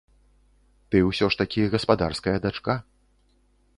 Ты ўсё ж такі гаспадарская дачка.